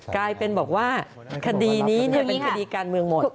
กลายเป็นบอกว่าคดีนี้เป็นคดีการเมืองหมด